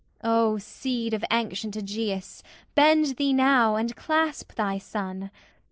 O seed of ancient Aegeus, bend thee now And clasp thy son.